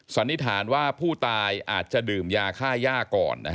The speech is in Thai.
สันนิษฐานว่าผู้ตายอาจจะดื่มยาค่าย่าก่อน